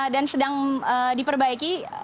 dan sedang diperbaiki